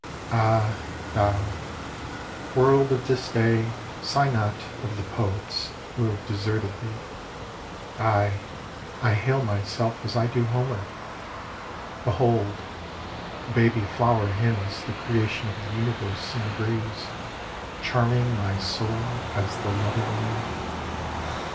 Ah thou, world of this day, sigh not of the poets who have deserted thee — aye, I hail myself as I do Homer ! Behold, a baby flower hymns the creation of the universe in the breeze, charming my soul as the lover moon